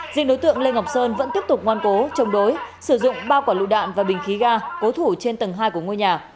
riêng đối tượng lê ngọc sơn vẫn tiếp tục ngoan cố chống đối sử dụng ba quả lựu đạn và bình khí ga cố thủ trên tầng hai của ngôi nhà